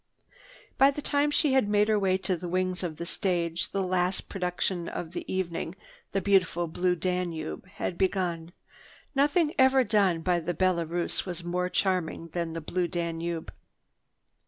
By the time she had made her way to the wings of the stage, the last production of the evening, "The Beautiful Blue Danube," had begun. Nothing ever done by the Ballet Russe is more charming than the Blue Danube.